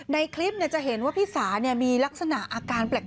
ในคลิปจะเห็นว่าพี่สามีลักษณะอาการแปลก